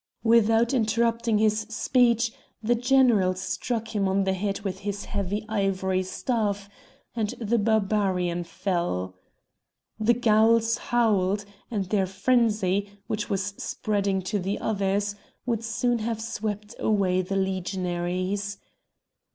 Without interrupting his speech, the General struck him on the head with his heavy ivory staff, and the Barbarian fell. The Gauls howled, and their frenzy, which was spreading to the others, would soon have swept away the legionaries.